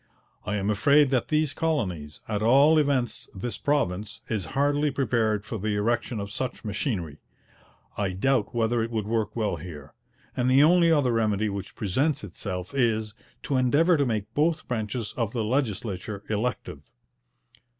I am afraid that these colonies, at all events this province, is hardly prepared for the erection of such machinery: I doubt whether it would work well here: and the only other remedy which presents itself is, to endeavour to make both branches of the legislature elective.'